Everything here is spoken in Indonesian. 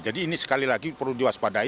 jadi ini sekali lagi perlu diwaspadai